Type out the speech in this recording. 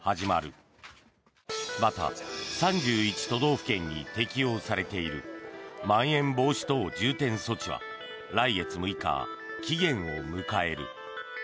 また、３１都道府県に適用されているまん延防止措置は来月６日、期限を迎える。